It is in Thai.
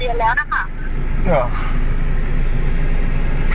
ไม่มีคาแสดงจริงหรอ